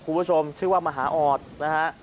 คุณผู้ชมชื่อว่ามหาออดนะฮะ